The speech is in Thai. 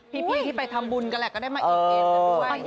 พี่ที่ไปทำบุญกันแหละก็ได้มาอิ่มเอมกันด้วย